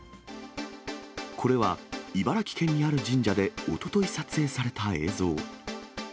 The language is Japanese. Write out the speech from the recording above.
これは、茨城県にある神社でおととい撮影された映像。